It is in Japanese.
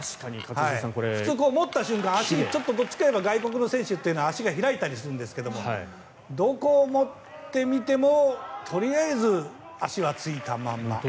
普通、持った瞬間足、ちょっとどちらかといえば外国の選手は足が開いたりするんですがどこを撮ってみてもとりあえず足はついたまま。